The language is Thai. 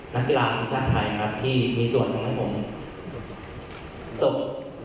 การี่แบบมนุษย์ของประชาษณ์ไทยที่มีส่วนของเรานั้นผม